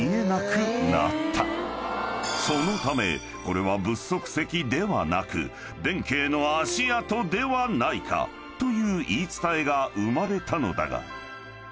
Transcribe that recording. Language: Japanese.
［そのためこれは仏足石ではなく弁慶の足跡ではないかという言い伝えが生まれたのだが］